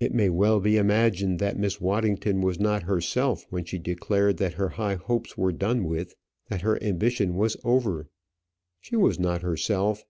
It may well be imagined that Miss Waddington was not herself when she declared that her high hopes were done with, that her ambition was over. She was not herself.